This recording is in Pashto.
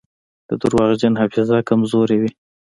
د درواغجن حافظه کمزورې وي.